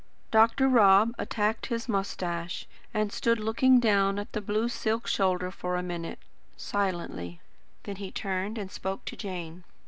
Dr. Rob attacked his moustache, and stood looking down at the blue silk shoulder for a minute, silently. Then he turned and spoke to Jane.